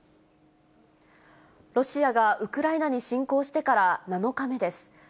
ロシアがウクライナに侵攻してから７日目です。